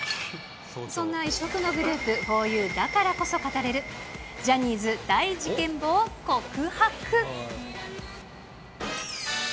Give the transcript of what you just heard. そんな異色のグループ、ふぉゆだからこそ語れるジャニーズ大事件簿を告白。